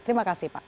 terima kasih pak